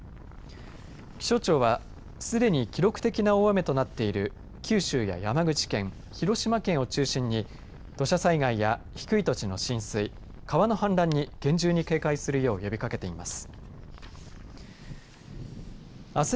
気象庁はすでに記録的な大雨となっている九州や山口県、広島県を中心に土砂災害や低い土地の浸水川の氾濫に厳重に警戒するよう呼びかけています。